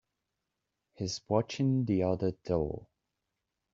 He's watching the other door.